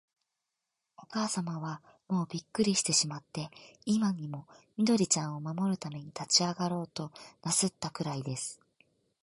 おかあさまは、もうびっくりしてしまって、今にも、緑ちゃんを守るために立ちあがろうとなすったくらいです。